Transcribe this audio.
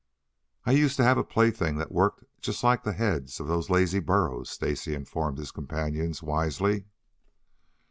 "I used to have a plaything that worked just like the heads of those lazy burros," Stacy informed his companions wisely.